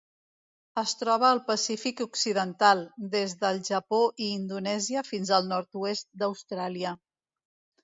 Es troba al Pacífic occidental: des del Japó i Indonèsia fins al nord-oest d'Austràlia.